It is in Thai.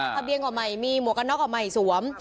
ทะเบียนก็ไม่มีหมวกกันน็อกออกใหม่สวม